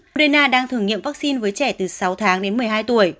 ukraine đang thử nghiệm vaccine với trẻ từ sáu tháng đến một mươi hai tuổi